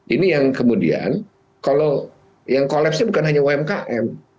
ini yang kemudian kalau yang kolapsnya bukan hanya umkm